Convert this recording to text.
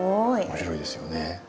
面白いですよね。